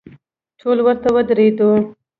ټول ورته ودریدو.